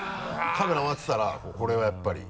カメラ回ってたらこれはやっぱりうん。